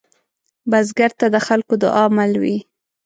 بزګر ته د خلکو دعاء مل وي